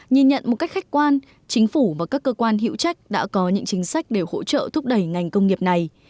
nhìn nhận một cách khách quan chính phủ và các cơ quan hiệu trách đã có những chính sách để hỗ trợ thúc đẩy ngành công nghiệp này